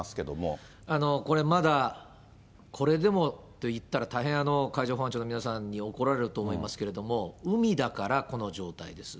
これまだ、これでもといったら大変海上保安庁の皆さんに怒られると思いますけれども、海だからこの状態です。